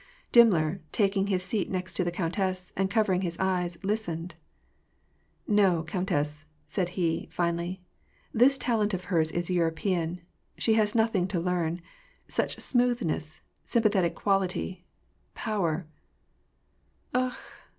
Dimmler, taking his seat next the countess, and covering his eyes, listened. "No, countess," said he, finally, "this talent of hers is European ; she has nothing to learn ; such smoothness, sympar thetic quality, power "— "Akh!